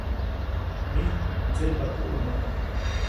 Mijt mdseʼmba teʼ ʼuneʼ.